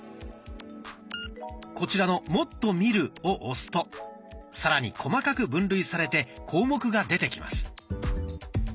こちらの「もっと見る」を押すとさらに細かく分類されて項目が出てきます。